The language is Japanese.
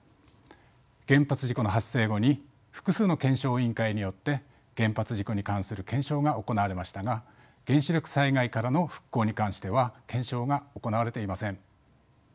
原発事故の発生後に複数の検証委員会によって原発事故に関する検証が行われましたが原子力災害からの復興に関しては検証が行われていません。